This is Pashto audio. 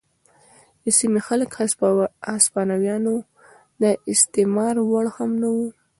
د سیمې خلک د هسپانویانو د استثمار وړ هم نه وو.